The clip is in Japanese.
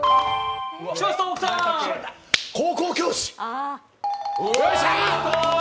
「高校教師」。